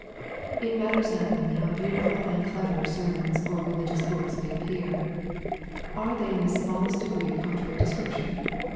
It matters nothing how beautiful and clever sermons or religious books may appear. Are they in the smallest degree contrary to Scripture